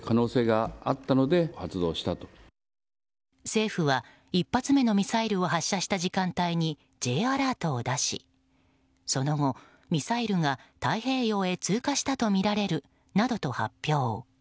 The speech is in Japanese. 政府は１発目のミサイルを発射した時間帯にＪアラートを出しその後、ミサイルが太平洋へ通過したとみられるなどと発表。